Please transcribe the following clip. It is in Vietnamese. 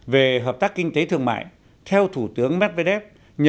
về hợp tác kinh tế thương mại theo thủ tướng medvedev